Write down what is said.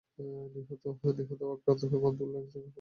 জাফর নিহত বা আক্রান্ত হলে আব্দুল্লাহ ইবনে রাওয়াহা সেনাপতি হবে।